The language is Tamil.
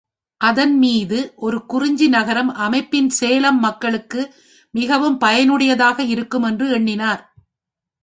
அதன் மீது ஒரு குறிஞ்சி நகரம் அமைப்பின் சேலம் மக்களுக்கு மிகவும் பயனுடையதாக இருக்கும் என்று எண்ணினார்.